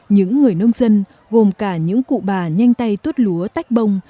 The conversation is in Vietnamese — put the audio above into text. những người nông dân gồm cả những cụ bà nhanh tay tuốt lúa tách bông